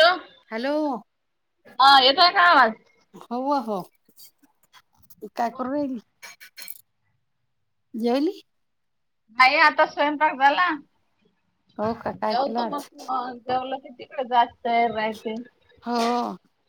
Hello hello हा येतोय का आवाज? हो हो काय करू राहिली जेवली? भाई आता स्वयंपाक झाला हो का काय केलं जेवतो आज मग [unintelligible] हो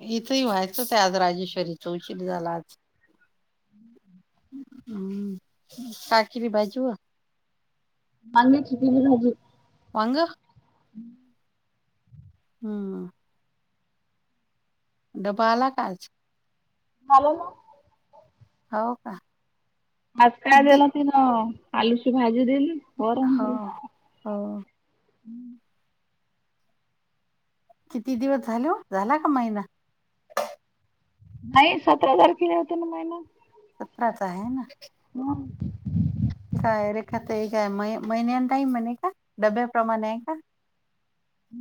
इथंही व्हायचंच आहे आज राजेश्वरीचा उशीर झाला आज. ह [unintelligible] हम्म पाखिरी भाजी ओ. [unintelligible] वांग, हम्म [unintelligible] हम डबा आला का आज? झाल ना हो का आज काय किती दिलं तिन आलूची भाजी दिली? वरण हा ह हं [unintelligible] किती दिवस झाले हो झाला का महिना? नाही सतरा हजार किले होते ना महिना. सतराच आहे ना? [unintelligible] ठी का आहे रेखत काय महि महिन्यांन ताई म्हणे का दडब्या प्र्रमाणे आहे का?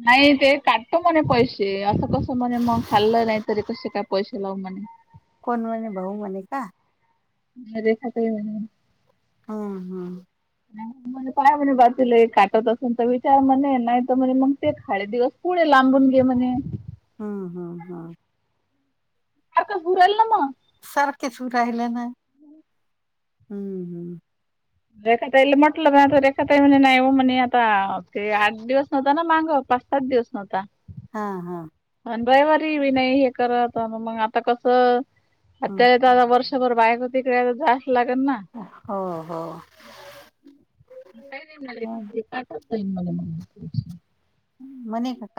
नाही ते काटतो म्हणे पैसे असं कसं म्हणे मग खाल्लं नाही तरी कसे काय पैसे चला म कोण म्हणे भाऊ म्हणे का? रेखा ताई म्हणे. हम हम काय म्हणे बातला काटत असेल तर विचार म्हणे नाही तर म्हणजे मग ते खाले दिवस पाहून लांबून घे म्हणे हम्म हमम हा आर का पुरेल ना मग सारखेच राहिलं ना हम्म हम्म रेखाईल म्हटलं नाता रेखाई म्हण नाही म म्हणे आता ते आठ दिवस नव्हता ना माांग पाच सात दिवस नव्हता हा हा आणि रविवारी बी नाही हे करत मग आता कस हो हत्या येत आ वर्ष र बायकतिक्रिया जास्त लागेल ना? हो हो. न म म [unintelligible] मने क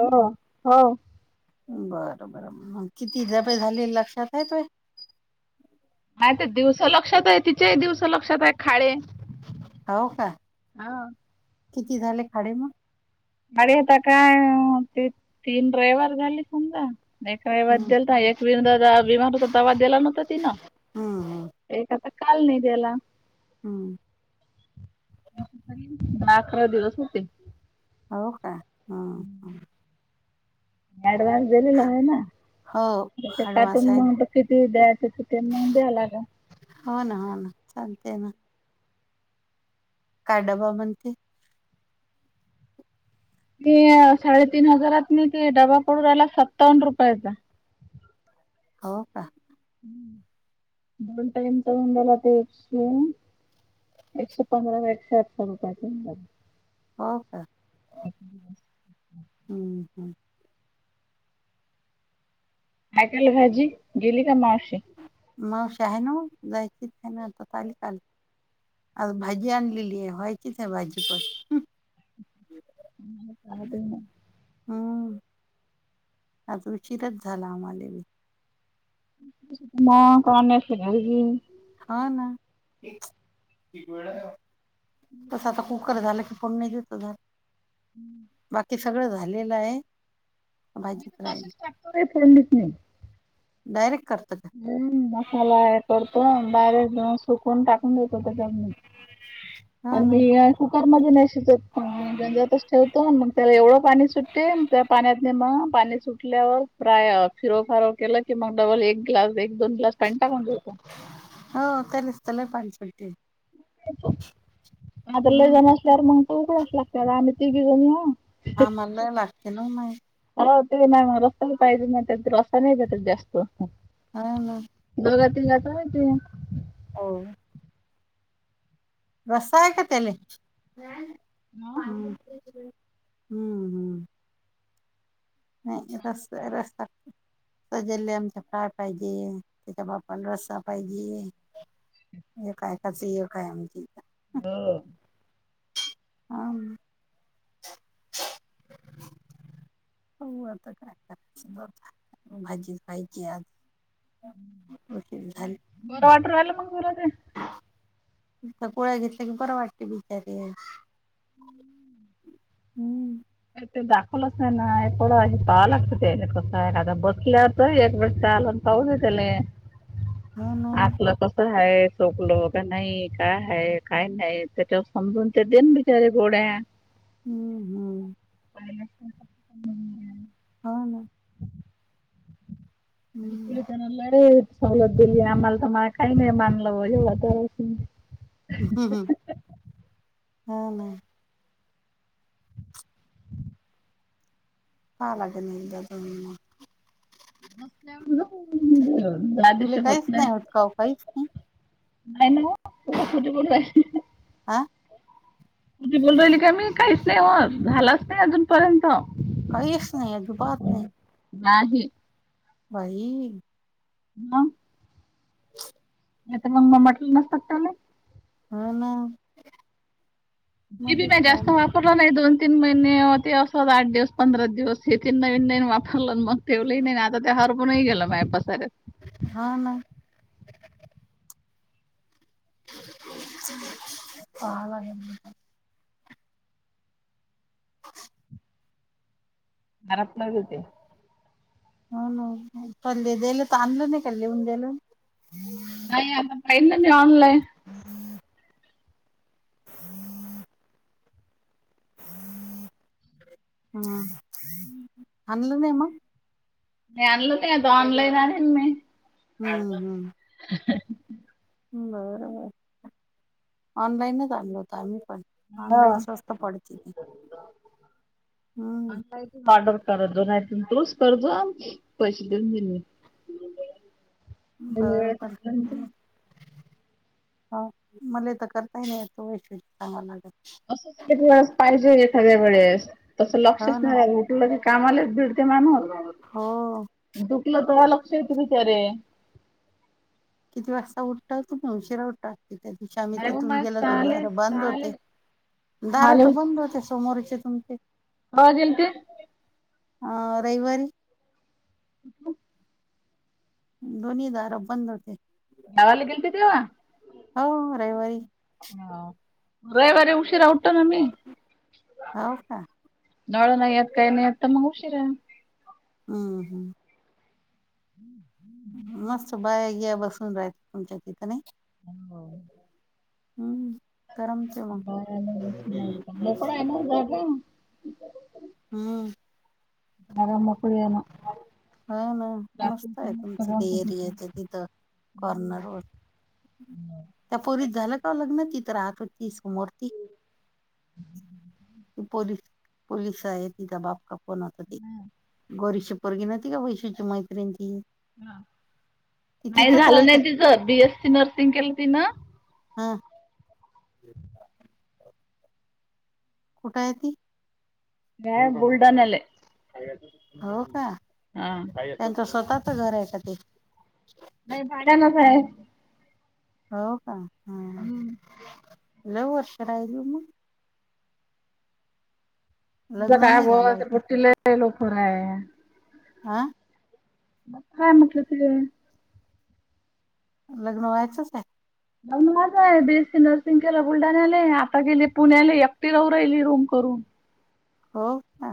हो हो. हम्म बरं बरं किती जपे झाले लक्षात हाय तुये. माहीते दिवस लक्षात हाय तिचे दिवस लक्षात हाय. खाडे हो का हा किती झाले खाडे म गाडी आता काय अ तीत तीन रविवार झाली समजा एक रविवार हम्म दिलता एक विनू दादा बीमार होता तव्हा गेला नव्हता तिन. हम्म हम्म एक अता काल नाहीे देला. हम्म. [inaudible] दहा अकरा दिवस होतील. हो का ह ह. ऍड वाय [unintelligible] गले आहे ना हो ज्याच ऍडव्हान्स काटून आहे म ना ब किती द्यायच तिून मुबई आला ना. हो ना, हो ना, चालते ना. काय डबा बणते? ती अ साडेतीन हजारात मी ते डबा पडू राहिला सत्तावन्न रुपयाचा. हो का. दोन टाईम करून देला ते शिऊन एकशे पंधरा त एकशे [unintelligible] अठर रुपया हो का हम्म हम्म. काय केल भाजी गेली का मावशी? मग शा हाय ना व जायचीच नई ना आता पाली खाल आता भाजी आणलेली [inaudible] हे व्हायचीच भाजी पण हम्म मम्म पाहते मंग अ आज उशीरच झाला आम्हाले बी. म का असी [unintelligible] ह ना, तस आता कुकर झालं कि. कोण नई तीथ जात बाकी सगळं झालेलं आहे. मी तर भाजीत राहिली तसेच टाकतो रे फोनीत नाही. डायरेक करतात. हम्म मसाल अँड करतो डायरेक्ट घेऊन सुकून टाकून देतो त्याचा जमनी [unintelligible] हो आण ना मी कुकरमध्ये नाही शिजत म गंजातच ठेवतो मंग त्याला एवढं पाणी सुटते त्या पाण्यात नी म पाणी सुटल्यावर प्राय फिरोव फारव केल की म डबल एक ग्लास एक दोन ग्लास पाणी टाकून देतो. ह कधीसत लय पाय चोयते हे. आता हम्म लयजण असल्यावर मंग तू उघडाच लागत्या आम्ही तीघीजणी आहो. आम्हाल लई लागते नाव माय. आवो ते नाय म रस्ता ही पाहीजे म त्यात रॉस्ता त्यात जास्त. हा ना. दोघा तिघा चा हाय ते. अवो. रस्ता हाय का त्याले [unintelligible] हं? हम्म हम्म. नाही रस रस्ता. सजले आमच्या फाय पाहिजे त्याच्या बापल रस्सा पाहिजे. एक एैकायच एक हाय आमचे इथ. ह. अम. हो आता काय करायचंता भाजीच व्हायची आज उशीर झाली टवाटर वला मगूरा ते गोळ्या घेतल्या की बर वाटते बिचारी हम्म ते दाखवलंच नाही ना एकवडं हे पाहा लागत ते कसं एखादा बसल्या तर एक वेळ आला खाऊदे त्याले हो ना आठलं क क ह चोकलो का नाही काय ह काय नाही त्याच्यावर समजून ते देन बिचार्या गोड्या हम्, ह आणि हो ना हम्म तपुलता नलाड सवलत दिली आम्हाला तर मला काही नाही मानलं एवढ तर ह, ह हो ना पा लाग नाही द दो नाही जा तुले दिशी होत काहीच नाही का ओ काहीच नाही नाही न त फुध न आ तूचि बोल राहिली का मी काहीच नाही हो झालाच नाही अजून पर्यंत काहीच नाही अजुबात नाही नाही बाई मग हो म तर मग ममटला नसत कळत हा ना ते म मध्येच जास्त खाऊन ह ला नाही दोन तीन महिने होती अस आठ दिवस पंधरा दिवस हे तीन नवीन नन हलं मग ठेवलंही नाही आता ते हरबूनही गेलं माया पसाऱ्यात हा ना ह हां घरातलं हो ते हो ना पल दल तर आणलं नाही लिऊन द्याल नाहीय आता पाहीन ना मी ऑनलाईन हम् हम् ह अनलं नाही म आनलं नाही ऑनलाईनआहे न मी हम् ह ह, ह बरंबर ऑनलाईनच आणलं होत आम्ही पण ऑनलाईन हां. स्वस्त पडत हम्म ऑनलाईनच ऑर्डर करा दो नाही तून रुस्तो पैसे देऊन दि म व वेळ सांगलं हा मला तर करताय नाही येतो वैश सांगा लाग असंच कती वेळेस पाहिजे एखाद्या वेळेस तसं हो लक्षच ना नाही राहील क कामालाच भिडते मानू हो दुखलं तेव्हा लक्ष येत बिचारे किती वाजता उठ तू मु ऊशीरा उठा त्या दिवशी आम्ही नाही मग तिथून मा गेलो तर दार साले बंद साले होते दारा माले तर बंद होते समोरचे तुमचे कवा गेलंते? अ रविवारी! [unintelligible] दोन्ही दार बंद होते. गावाला गेलति तेव्हा? हो रविवारी! रविवारी उशीरा उठतो ना मी. हो का नवरा नाही येत काही नाही येत तर मग उशीरा हम्म हम्म! [inaudible] मस्त बाय या बसून राहायच तुमच्या तिथं नाही. हो! हम्म! करमते मग [unintelligible] हम्म! मोकळी आहे ना? हो ना मस्त आहे तुमचं ते एरियाच्या तिथं [unintelligible] कॉर्नर वर [inaudible] त्या पोरीच झालं का लग्न तिथं राहत होती समोर ती? पोलीस पोलिस आहे तीजा बाप का? पण आत गोरीशी पोरगी न्हवती का ती वैशूची मैत्रिन ती. हा, ती नाही तिथंच झालं राहते नाही तिचं बीएससी नर्सिंग केलं तिन हा [inaudible] कुठं आहे ती? ती बुलढाण्याला आहे. हो का, त्यांचं स्वतःच घर आहे का ते? नाही भाड्यान आहे. हो का हा लय वर्ष राहिली मग! तिज का लग्न नाही बा झालं ती अजून पट्टिला लोखर आहे. हा काय म्हटल तुले? लग्न व्हायचंच नाय! मग माज आहे बीएसी नर्सिंग केलं बुलढाण्याले आता गेले पुण्याले एकटी राहू राहिली रूम करून. हो का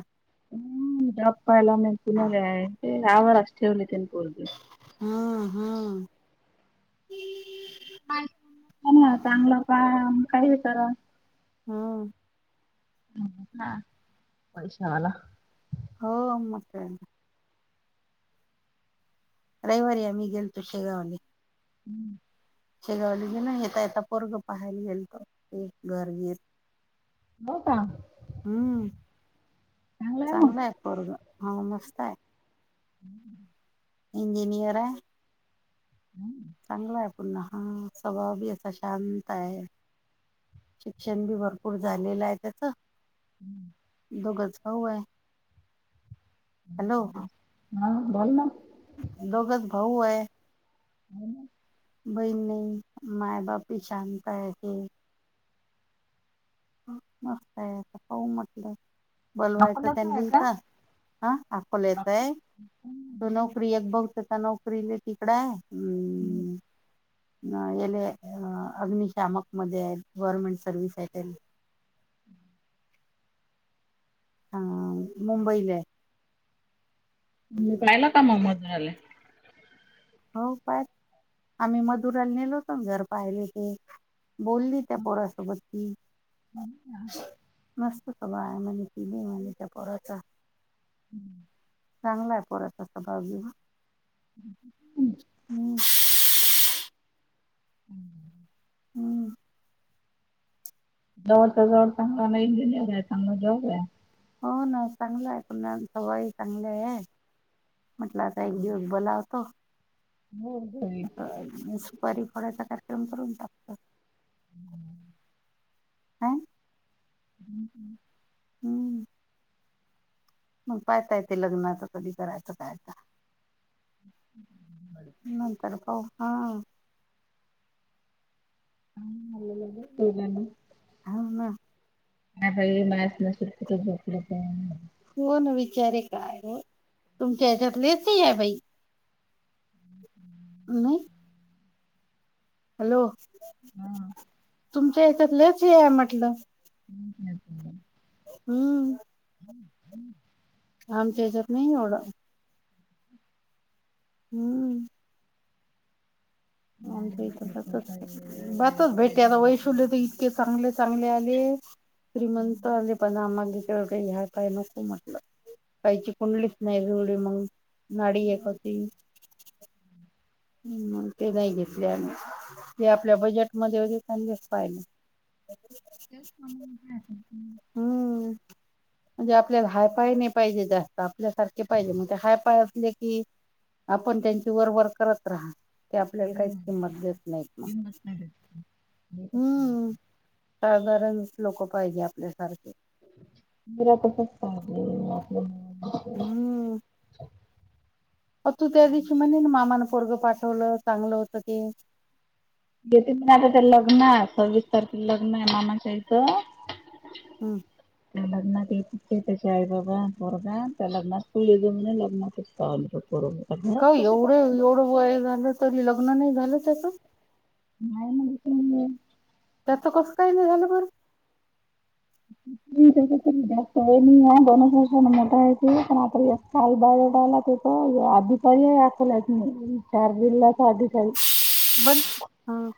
पुण्याला यावारच ठेवली पोरगी. हा हा! चांगलं पहा आणि काही बी करा. हा! हा पैशा वाला. हो मग काय! लय भारी आम्ही गेलतो शेगावले [inaudible] शेगावली गेल ना येता येता पोरग पाहायला गेल त एक घर बीर हो का हम्म चांगलं आहे मग. चांगलंय पोरग हा मस्त आहे. [inaudible] इंजनीयर आहे. [inaudible] चांगला आहे पण लहान स्वभाव बी असा शांत आहे. शिक्षण भी भरपूर झालेलं आहे त्याचं हम्म. [unintelligible] हॅलो. हा बोल ना. दोघच भाऊ आहे. हो ना. बई नाही माय बाप ही शांता आहे ते. मस्त आहे आता पाह म्हटलं. बलवायचं अकोल्याचा आहे त्यांनी का? [unintelligible] ह आकोल्याचं आहे. तो नोकरी एक बघतो का नोकरीले तिकड आहे हम्म. येले अग्निशामक मध्ये आहेत गव्हर्नमेंट सर्वविस आहे. हा मुंबईला ये. पाहिला का मग मधुराले. हो पा आम्ही मधुराला नेलो होतो घर पाहिले ते. बोलली त्या पोरासोबत ती. [unintelligible] मस्त स बा आहे म्ह किले म्ह त्या पराचा [unintelligible] हम्म चांगला आहे पोरात [unintelligible] [unintelligible] हम्म. हम्म. हम्म. जवळच्या जवळ चांगल ना इंजिनियर आहे चांगलं जॉब आहे. हो ना चांगला आहे प [unintelligible] सवय चांगले आहे. म्हटलं आता एक दिवस बोलावतो हो हो. [unintelligible] सुपारी फोडयचा कार्यक्रम करून टाकतो. हम्म. ह हम्म हम्म. हम्म. मंग पाहता येते लग्नाच कधी करायचं काय त. [unintelligible] नंतर [unintelligible] [unintelligible] हा ना. [unintelligible] होण विचारे काय हो तुमच्या ह्याच्यात लईच ये आहे बाई. हम्म. नाही. हॅलो तुमच्या हच्यातलेच हे आहे म्हटलं. [unintelligible] हम्म. हम्म हम्म. आमच्या हच्यात नाही एवढं. हम्म. आमच्या नाही इथे त्याचं तसंच काही ये वेगळं बच बातच जागेचं काही भेटे आता धंदाच वैशूले नाही. तर इतके चांगले चांगले आले श्रीमंत आले पण आमाले एवढं काय हाय फाय नको म्हटलं ताईची कुंडलीच नाही जुळली मग- नाडी एक होती. हम् ते नाही घेतले आणि ते आपल्या बजेटमध्ये होते त्यांच पाहिलं. ब [inaudible] ते का [inaudible] म्हणजे आपल्याला हाय पाय नाही पाहिजे जास्त आपल्यासारखे पाहिजे म्हणजे हाय पाय असले की. आपण त्यांची वरवरर करत राहा. ते आपल्याला काहीच किंमत देत नाहीत मग हम्म. साधारण लोक पाहिजे आपल्यासारखे. मरा त सस्ता म आपल्या [unintelligible] हा आ. मग तू त्या दिवशी म्हणेल मामान पोरगं पाठवलं चांगलं होतं ते. घेते म आता ते लग्न सव्वीस तारखे लग्न आहे मामाच्या इथं. हम. लग्नात येत त्याच्या आई बाबा पोरगा त्या लग्नात तू ये जो म्ह लग्नात. तानू च पोरग. का एवढे एवढं वय झालं तरी लग्न नाही झालं त्याचं. नाहीय म्हणलं तर. त्याचं कसं काही नाही झालं बर. अच् [inaudible] त्या जास्त नाही आहे दोनच वर्ष मोठा आहे ते पण काल बायोडाटा आलाच हाय. हो हो अधीपही आखला त म चार जिल्ह्याचा अधिकारी. बंद हा.